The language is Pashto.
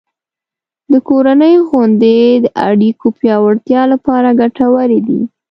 د کورنۍ غونډې د اړیکو پیاوړتیا لپاره ګټورې دي.